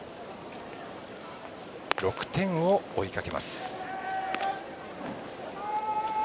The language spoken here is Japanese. ６点を追いかけます。